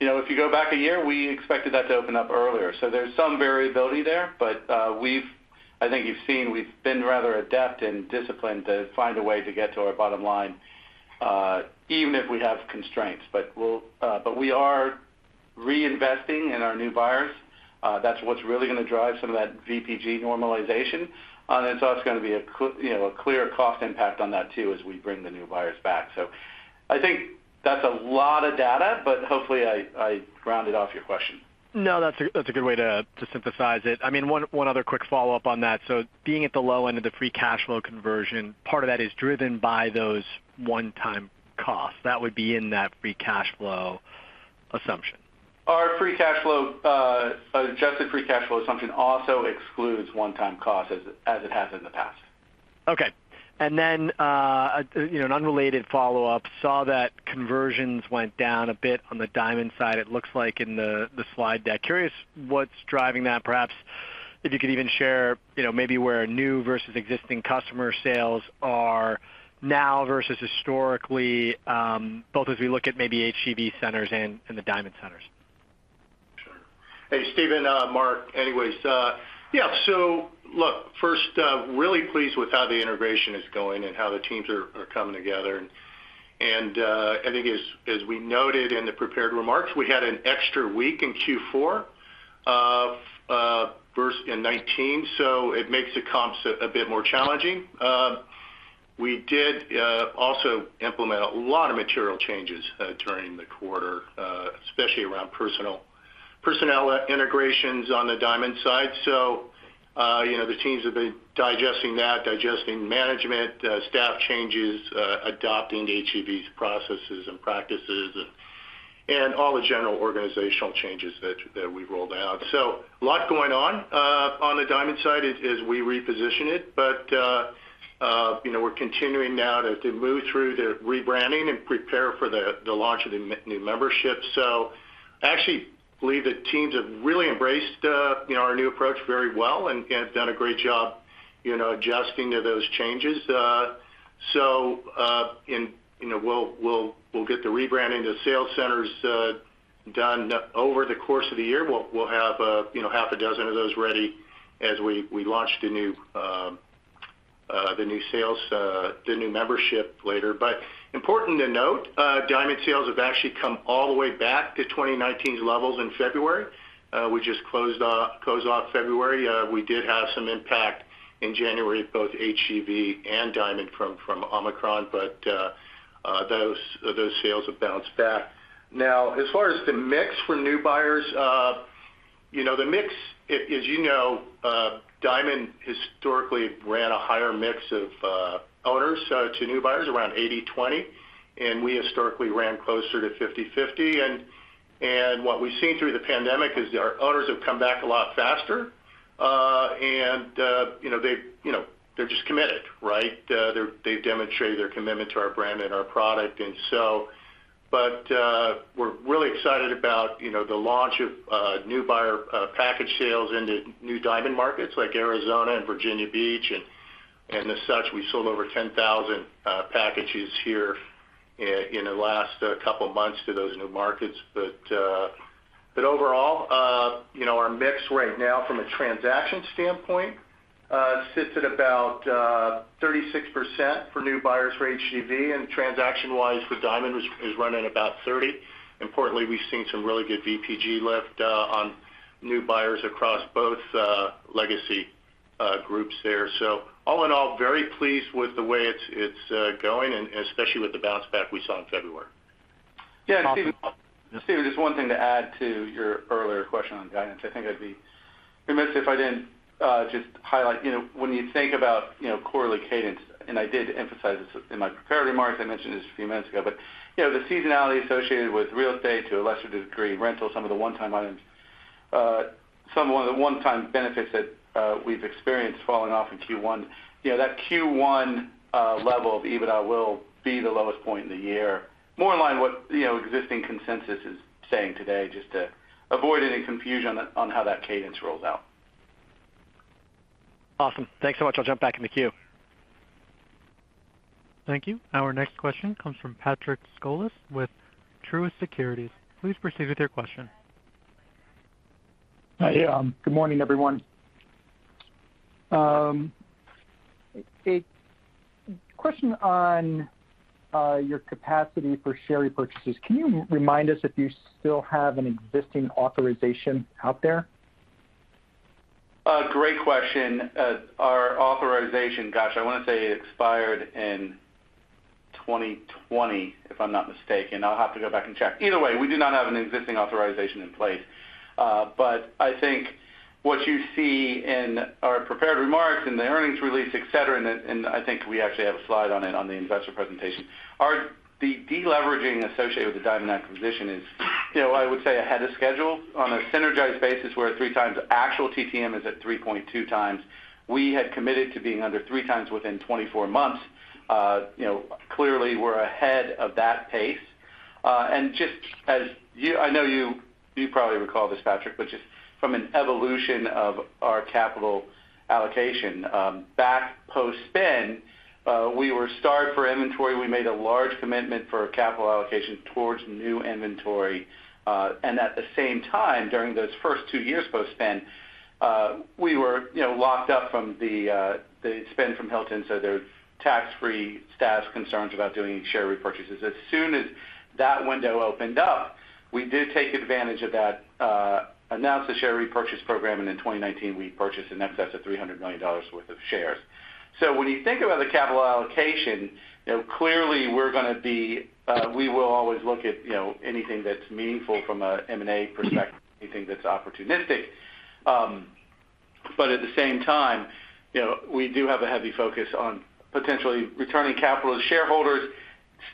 You know, if you go back a year, we expected that to open up earlier. There's some variability there. I think you've seen we've been rather adept and disciplined to find a way to get to our bottom line, even if we have constraints. We are reinvesting in our new buyers. That's what's really gonna drive some of that VPG normalization. It's also gonna be a clear cost impact on that too, as we bring the new buyers back. I think that's a lot of data, but hopefully I rounded off your question. No, that's a good way to synthesize it. I mean, one other quick follow-up on that. Being at the low end of the free cash flow conversion, part of that is driven by those one-time costs. That would be in that free cash flow assumption. Our free cash flow, adjusted free cash flow assumption also excludes one-time costs as it has in the past. Okay. You know, an unrelated follow-up. Saw that conversions went down a bit on the Diamond side, it looks like in the slide deck. Curious what's driving that. Perhaps if you could even share, you know, maybe where new versus existing customer sales are now versus historically, both as we look at maybe HGV centers and the Diamond centers. Sure. Hey, Stephen, Mark, anyway. Yeah, look, first, really pleased with how the integration is going and how the teams are coming together. I think as we noted in the prepared remarks, we had an extra week in Q4, first in 2019, so it makes the comps a bit more challenging. We did also implement a lot of material changes during the quarter, especially around personnel integrations on the Diamond side. You know, the teams have been digesting that, digesting management staff changes, adopting HGV's processes and practices and all the general organizational changes that we rolled out. A lot going on on the Diamond side as we reposition it. You know, we're continuing now to move through the rebranding and prepare for the launch of the new membership. I actually believe the teams have really embraced you know our new approach very well and have done a great job you know adjusting to those changes. You know, we'll get the rebranding of the sales centers done over the course of the year. We'll have you know half a dozen of those ready as we launch the new membership later. Important to note, Diamond sales have actually come all the way back to 2019's levels in February. We just closed off February. We did have some impact in January, both HGV and Diamond from Omicron, but those sales have bounced back. Now, as far as the mix for new buyers, you know, the mix, as you know, Diamond historically ran a higher mix of owners to new buyers around 80/20, and we historically ran closer to 50/50. What we've seen through the pandemic is our owners have come back a lot faster, and you know, they, you know, they're just committed, right? They've demonstrated their commitment to our brand and our product. But we're really excited about, you know, the launch of new buyer package sales into new Diamond markets like Arizona and Virginia Beach. As such, we sold over 10,000 packages here in the last couple of months to those new markets. Overall, you know, our mix right now from a transaction standpoint sits at about 36% for new buyers for HGV, and transaction-wise for Diamond is running about 30%. Importantly, we've seen some really good VPG lift on new buyers across both legacy groups there. All in all, very pleased with the way it's going and especially with the bounce back we saw in February. Awesome. Yeah. Stephen, just one thing to add to your earlier question on guidance. I think I'd be remiss if I didn't just highlight, you know, when you think about, you know, quarterly cadence, and I did emphasize this in my prepared remarks. I mentioned this a few minutes ago, but, you know, the seasonality associated with real estate to a lesser degree, rental, some of the one-time items, some of the one-time benefits that we've experienced falling off in Q1. You know, that Q1 level of EBITDA will be the lowest point in the year, more in line with, you know, existing consensus is saying today just to avoid any confusion on how that cadence rolls out. Awesome. Thanks so much. I'll jump back in the queue. Thank you. Our next question comes from Patrick Scholes with Truist Securities. Please proceed with your question. Yeah. Good morning, everyone. A question on your capacity for share repurchases. Can you remind us if you still have an existing authorization out there? Great question. Our authorization, gosh, I wanna say it expired in 2020, if I'm not mistaken. I'll have to go back and check. Either way, we do not have an existing authorization in place. I think what you see in our prepared remarks, in the earnings release, et cetera, and I think we actually have a slide on it on the investor presentation. The deleveraging associated with the Diamond acquisition is, you know, I would say ahead of schedule. On a synergized basis, we're at 3x. Actual TTM is at 3.2x. We had committed to being under 3x within 24 months. You know, clearly, we're ahead of that pace. Just as you... I know you probably recall this, Patrick, but just from an evolution of our capital allocation, back post-spin, we were starved for inventory. We made a large commitment for capital allocation towards new inventory. And at the same time, during those first two years post-spin, we were, you know, locked up from the spin from Hilton, so there's tax-free status concerns about doing share repurchases. As soon as that window opened up, we did take advantage of that, announced the share repurchase program, and in 2019, we purchased in excess of $300 million worth of shares. When you think about the capital allocation, you know, clearly, we're gonna be, we will always look at, you know, anything that's meaningful from a M&A perspective, anything that's opportunistic. At the same time, you know, we do have a heavy focus on potentially returning capital to shareholders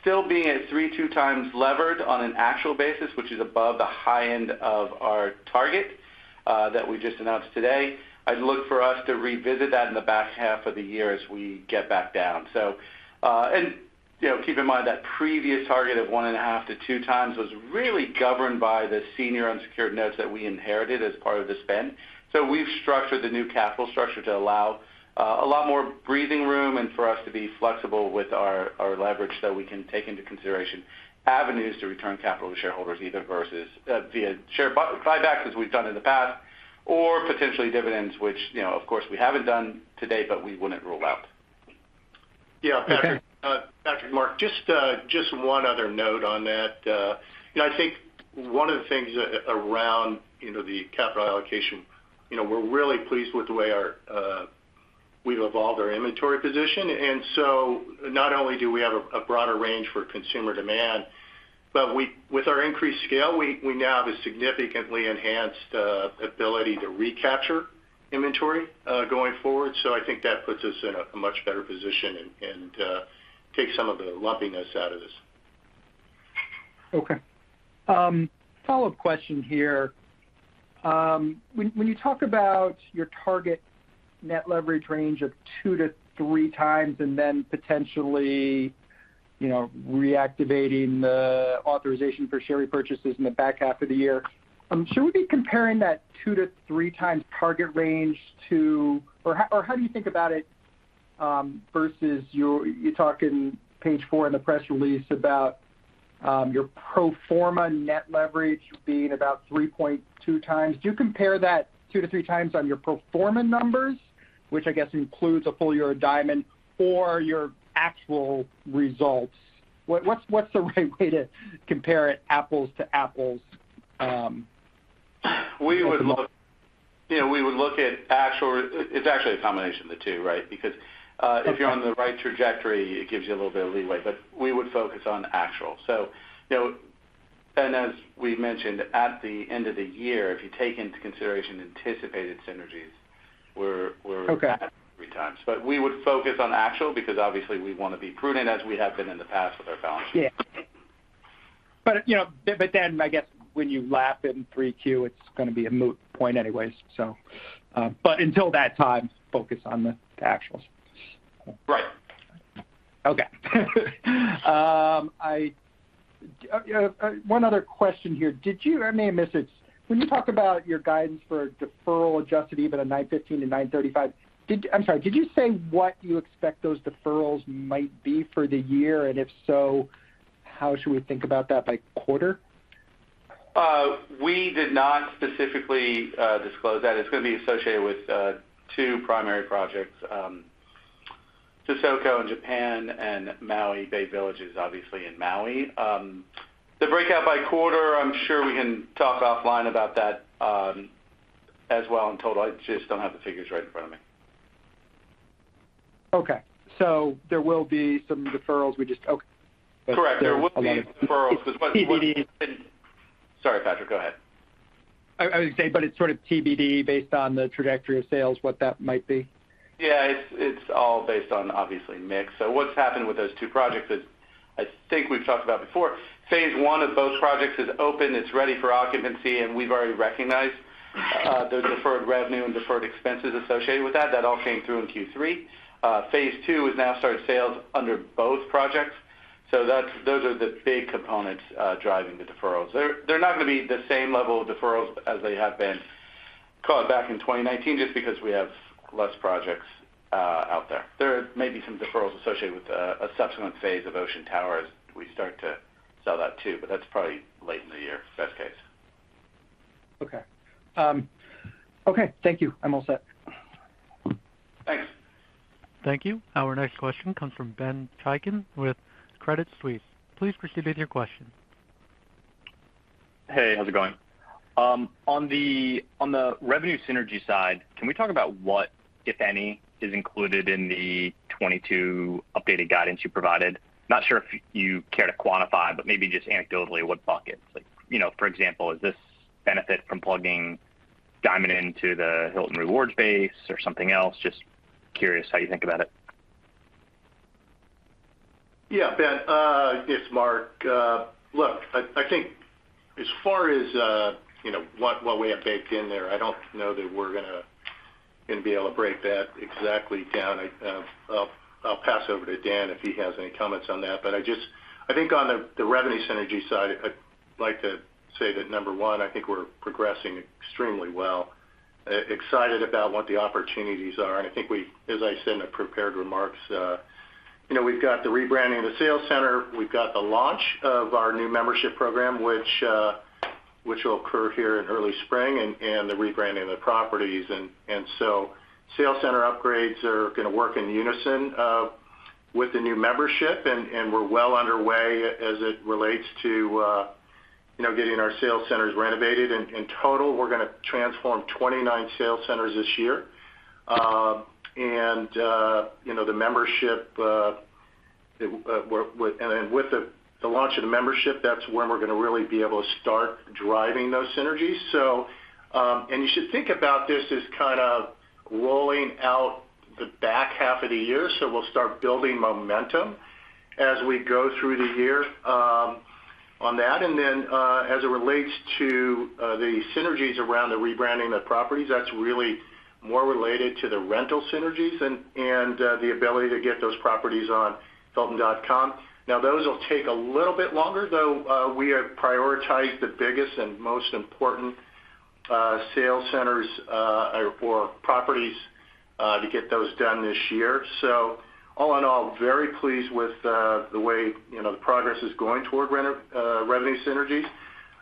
still being at 3.2x levered on an actual basis, which is above the high end of our target that we just announced today. I'd look for us to revisit that in the back half of the year as we get back down. You know, keep in mind that previous target of 1.5x-2x was really governed by the senior unsecured notes that we inherited as part of the spin. We've structured the new capital structure to allow a lot more breathing room and for us to be flexible with our leverage that we can take into consideration avenues to return capital to shareholders, either versus via share buybacks, as we've done in the past, or potentially dividends, which, you know, of course, we haven't done to date, but we wouldn't rule out. Yeah. Okay. Patrick, Mark, just one other note on that. You know, I think one of the things around, you know, the capital allocation, you know, we're really pleased with the way our we've evolved our inventory position. Not only do we have a broader range for consumer demand, but with our increased scale, we now have a significantly enhanced ability to recapture inventory going forward. I think that puts us in a much better position and takes some of the lumpiness out of this. Okay. Follow-up question here. When you talk about your target net leverage range of 2x-3x and then potentially, you know, reactivating the authorization for share repurchases in the back half of the year, should we be comparing that 2x-3x target range to or how do you think about it versus, you talk in page four in the press release about your pro forma net leverage being about 3.2x. Do you compare that 2x-3x on your pro forma numbers, which I guess includes a full year of Diamond, or your actual results? What’s the right way to compare it apples to apples? We would look, you know, at actual. It's actually a combination of the two, right? Because Okay... if you're on the right trajectory, it gives you a little bit of leeway, but we would focus on actual. You know, as we mentioned, at the end of the year, if you take into consideration anticipated synergies, we're Okay... 3x. We would focus on actual because obviously we wanna be prudent as we have been in the past with our balance sheet. Yeah. You know, then I guess when you lap in 3Q, it's gonna be a moot point anyways, so until that time, focus on the actuals. Right. Okay. One other question here. I may have missed it. When you talk about your guidance for deferral-adjusted EBITDA $915 million-$935 million, I'm sorry, did you say what you expect those deferrals might be for the year? And if so, how should we think about that by quarter? We did not specifically disclose that. It's gonna be associated with two primary projects, Sesoko in Japan and Maui Bay Villas, obviously in Maui. The breakout by quarter, I'm sure we can talk offline about that, as well in total. I just don't have the figures right in front of me. Okay. There will be some deferrals. Correct. There will be deferrals. TBD. Sorry, Patrick, go ahead. I would say it's sort of TBD based on the trajectory of sales, what that might be. Yeah. It's all based on obvious mix. What's happened with those two projects is, I think we've talked about before, phase I of both projects is open, it's ready for occupancy, and we've already recognized the deferred revenue and deferred expenses associated with that. That all came through in Q3. Phase II has now started sales under both projects. That's, those are the big components driving the deferrals. They're not gonna be the same level of deferrals as they have been call it back in 2019, just because we have less projects out there. There may be some deferrals associated with a subsequent phase of Ocean Tower. We start to sell that too, but that's probably late in the year, best case. Okay. Okay. Thank you. I'm all set. Thanks. Thank you. Our next question comes from Benjamin Chaiken with Credit Suisse. Please proceed with your question. Hey, how's it going? On the revenue synergy side, can we talk about what, if any, is included in the 2022 updated guidance you provided? Not sure if you care to quantify, but maybe just anecdotally, what buckets? Like, you know, for example, is this benefit from plugging Diamond into the Hilton Honors base or something else? Just curious how you think about it. Yeah, Ben. It's Mark. Look, I think as far as, you know, what we have baked in there, I don't know that we're gonna be able to break that exactly down. I'll pass over to Dan if he has any comments on that. I think on the revenue synergy side, I'd like to say that number one, I think we're progressing extremely well, excited about what the opportunities are. I think we, as I said in the prepared remarks, you know, we've got the rebranding of the sales center, we've got the launch of our new membership program, which will occur here in early spring and the rebranding of the properties. Sales center upgrades are gonna work in unison with the new membership, and we're well underway as it relates to you know, getting our sales centers renovated. In total, we're gonna transform 29 sales centers this year. You know, with the launch of the membership, that's when we're gonna really be able to start driving those synergies. You should think about this as kind of rolling out the back half of the year, so we'll start building momentum as we go through the year on that. As it relates to the synergies around the rebranding of the properties, that's really more related to the rental synergies and the ability to get those properties on hilton.com. Now, those will take a little bit longer, though, we have prioritized the biggest and most important sales centers or properties to get those done this year. All in all, very pleased with the way, you know, the progress is going toward revenue synergies.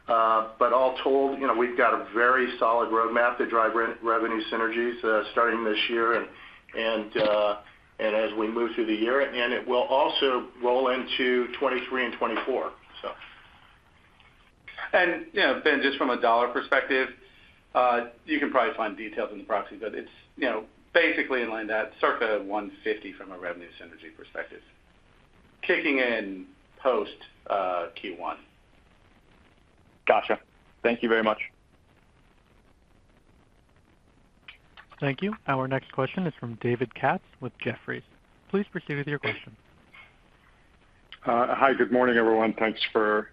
All told, you know, we've got a very solid roadmap to drive revenue synergies, starting this year and as we move through the year. It will also roll into 2023 and 2024. You know, Ben, just from a dollar perspective, you can probably find details in the proxy, but it's, you know, basically in line that circa $150 from a revenue synergy perspective, kicking in post Q1. Gotcha. Thank you very much. Thank you. Our next question is from David Katz with Jefferies. Please proceed with your question. Hi. Good morning, everyone. Thanks for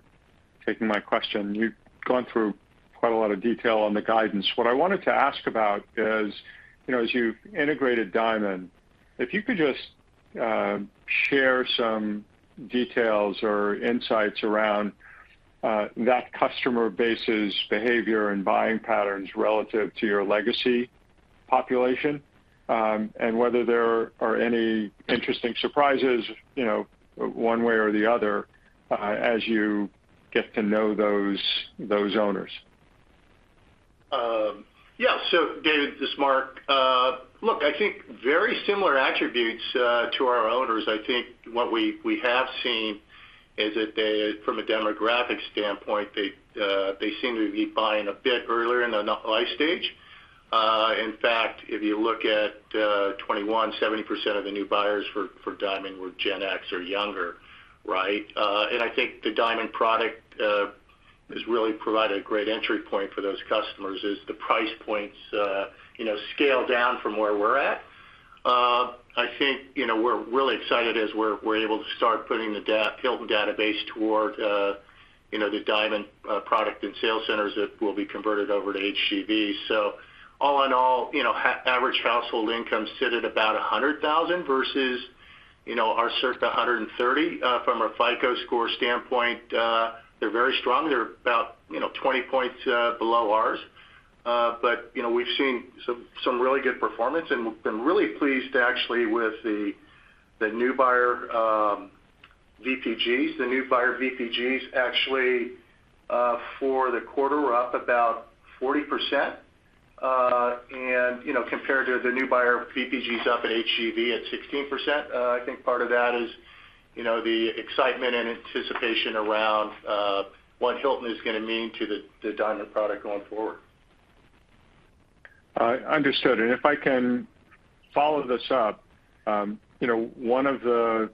taking my question. You've gone through quite a lot of detail on the guidance. What I wanted to ask about is, you know, as you've integrated Diamond, if you could just share some details or insights around that customer base's behavior and buying patterns relative to your legacy population, and whether there are any interesting surprises, you know, one way or the other, as you get to know those owners. David, this is Mark. Look, I think very similar attributes to our owners. I think what we have seen is that they from a demographic standpoint seem to be buying a bit earlier in their life stage. In fact, if you look at 2021, 70% of the new buyers for Diamond were Gen X or younger, right? I think the Diamond product has really provided a great entry point for those customers as the price points you know scale down from where we're at. I think you know we're really excited as we're able to start putting the Hilton database toward you know the Diamond product and sales centers that will be converted over to HGV. All in all, you know, average household incomes sit at about $100,000 versus, you know, our circa $130,000. From a FICO score standpoint, they're very strong. They're about, you know, 20 points below ours. But, you know, we've seen some really good performance, and we've been really pleased actually with the new buyer VPGs. The new buyer VPGs actually for the quarter were up about 40%, and, you know, compared to the new buyer VPGs up at HGV at 16%. I think part of that is, you know, the excitement and anticipation around what Hilton is gonna mean to the Diamond product going forward. Understood. If I can follow this up, you know, one of the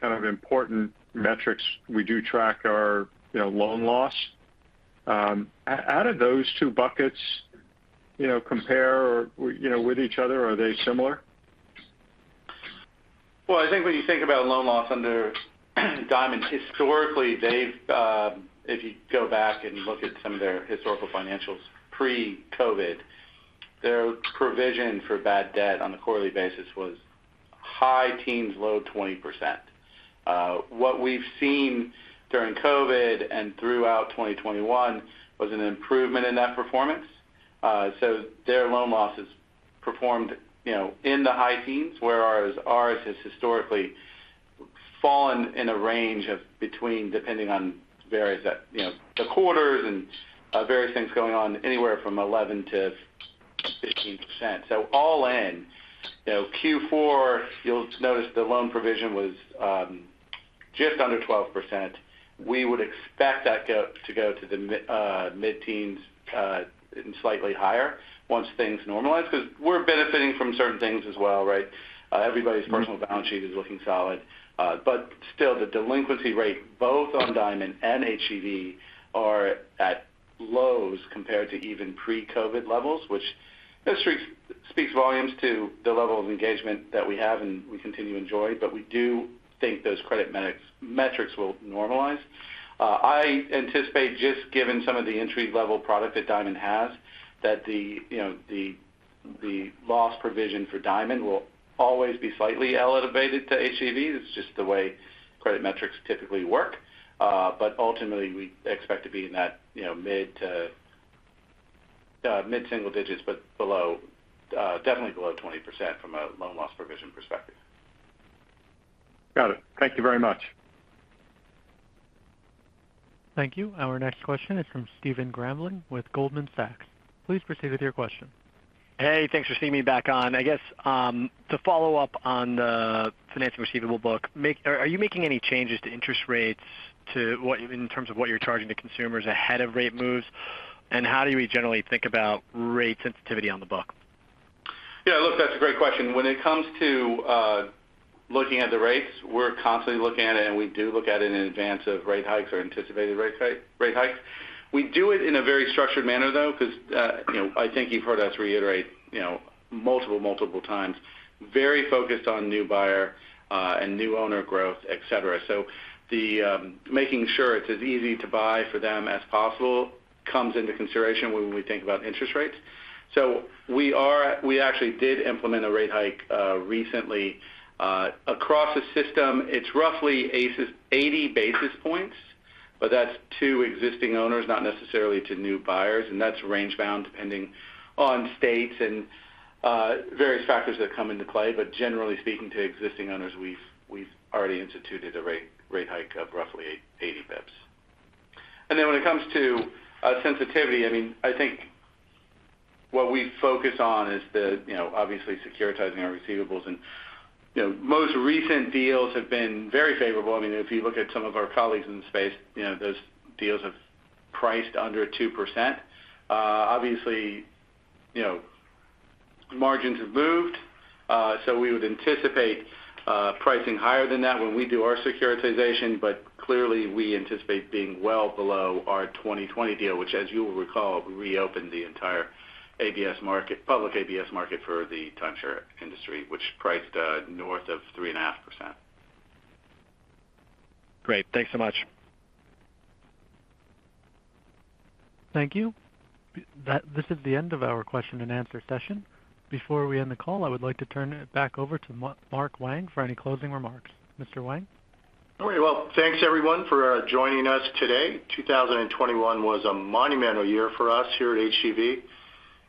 kind of important metrics we do track are, you know, loan loss. How do those two buckets, you know, compare or, you know, with each other? Are they similar? Well, I think when you think about loan loss under Diamond, historically, they've, if you go back and look at some of their historical financials pre-COVID, their provision for bad debt on a quarterly basis was high teens%-low 20%. What we've seen during COVID and throughout 2021 was an improvement in that performance. Their loan loss has performed, you know, in the high teens%, whereas ours has historically fallen in a range of between, depending on various, you know, the quarters and various things going on anywhere from 11% to 15%. All in, you know, Q4, you'll notice the loan provision was just under 12%. We would expect that to go to the mid-teens, and slightly higher once things normalize, 'cause we're benefiting from certain things as well, right? Everybody's personal balance sheet is looking solid. Still, the delinquency rate, both on Diamond and HGV are at lows compared to even pre-COVID levels, which just speaks volumes to the level of engagement that we have and we continue to enjoy. We do think those credit metrics will normalize. I anticipate, just given some of the entry-level product that Diamond has, that you know, the loss provision for Diamond will always be slightly elevated to HGV. It's just the way credit metrics typically work. Ultimately, we expect to be in that, you know, mid-single digits%, definitely below 20% from a loan loss provision perspective. Got it. Thank you very much. Thank you. Our next question is from Stephen Grambling with Goldman Sachs. Please proceed with your question. Hey, thanks for seeing me back on. I guess, to follow up on the financing receivable book, are you making any changes to interest rates in terms of what you're charging the consumers ahead of rate moves, and how do you generally think about rate sensitivity on the book? Yeah. Look, that's a great question. When it comes to looking at the rates, we're constantly looking at it, and we do look at it in advance of rate hikes or anticipated rate hikes. We do it in a very structured manner, though, because you know, I think you've heard us reiterate you know multiple times, very focused on new buyer and new owner growth, et cetera. So the making sure it's as easy to buy for them as possible comes into consideration when we think about interest rates. So we actually did implement a rate hike recently. Across the system, it's roughly 80 basis points, but that's to existing owners, not necessarily to new buyers. That's range bound depending on states and various factors that come into play. Generally speaking to existing owners, we've already instituted a rate hike of roughly 80 basis points. When it comes to sensitivity, I mean, I think what we focus on is, you know, obviously securitizing our receivables. Most recent deals have been very favorable. I mean, if you look at some of our colleagues in the space, you know, those deals have priced under 2%. Obviously, you know, margins have moved, so we would anticipate pricing higher than that when we do our securitization. But clearly, we anticipate being well below our 2020 deal, which, as you will recall, reopened the entire ABS market, public ABS market for the timeshare industry, which priced north of 3.5%. Great. Thanks so much. Thank you. This is the end of our question and answer session. Before we end the call, I would like to turn it back over to Mark Wang for any closing remarks. Mr. Wang? All right. Well, thanks everyone for joining us today. 2021 was a monumental year for us here at HGV,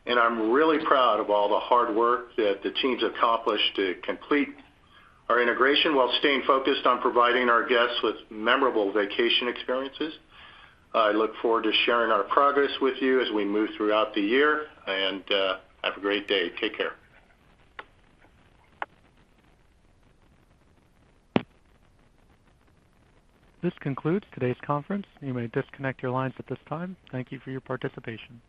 and I'm really proud of all the hard work that the team's accomplished to complete our integration while staying focused on providing our guests with memorable vacation experiences. I look forward to sharing our progress with you as we move throughout the year, and have a great day. Take care. This concludes today's conference. You may disconnect your lines at this time. Thank you for your participation.